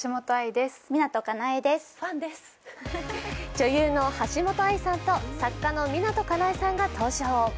女優の橋本愛さんと作家の湊かなえさんが登場。